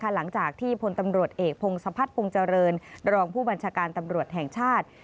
หลังจากที่พลตำรวจเอกพงศพัฒนภงเจริญรองผู้บัญชาการตำรวจแห่งชาติ